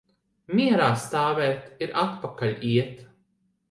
Mierā stāvēt ir atpakaļ iet.